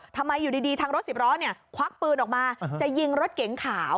ทำไมอยู่ดีทางรถสิบล้อเนี่ยควักปืนออกมาจะยิงรถเก๋งขาว